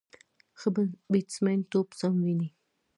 ښه بیټسمېن توپ سم ویني.